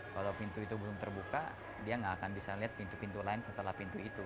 kalau pintu itu belum terbuka dia nggak akan bisa lihat pintu pintu lain setelah pintu itu